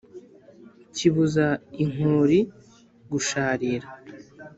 kibuza inkori gusharira!